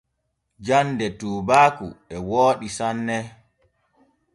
Jande tuubaaku e wooɗi sanne.